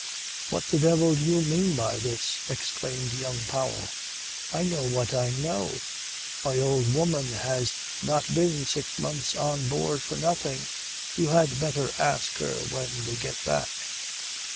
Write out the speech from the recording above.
"What the devil do you mean by this?" exclaimed young Powell. "I know what I know. My old woman has not been six months on board for nothing. You had better ask her when we get back."